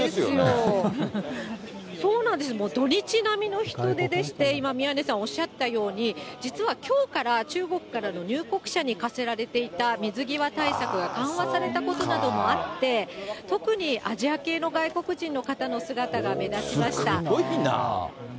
そうなんですよ、土日並みの人出でして、今、宮根さんおっしゃったように、実はきょうから中国からの入国者に課せられていた水際対策が緩和されたことなどもあって、特にアジア系の外国人の方の姿が目立ちすごいな。